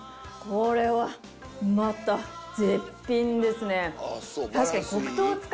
これはまた絶品ですね！